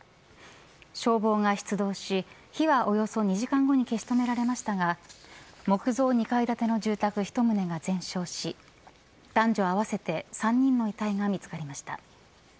消防が出動し火はおよそ２時間後に消し止められましたが木造２階建の住宅１棟が全焼し男女合わせて３人の遺体が見つかりました。